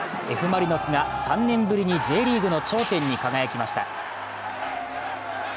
Ｆ・マリノスが３年ぶりにＪリーグの頂点に輝きました。